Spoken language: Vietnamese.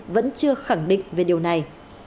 vẫn chưa khẳng định về điều này